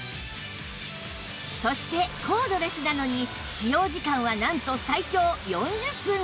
そしてコードレスなのに使用時間はなんと最長４０分です